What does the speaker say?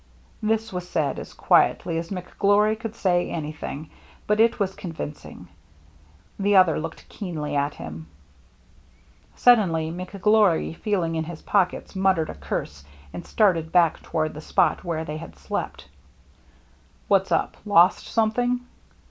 This was said as quietly as McGlory could say anything, but it was con vincing. The other looked keenly at him. 312 THE MERRT ANNE Suddenly McGlory, feeling in his pockets, muttered a curse and started back toward the spot where they had slept. " What's up ? Lost something